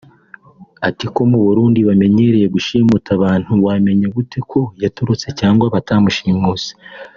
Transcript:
Ati “Ko mu Burundi bamenyereye gushimuta abantu wamenya gute ko yatorotse cyangwa batamushimuse